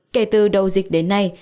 kể từ đầu dịch đến nay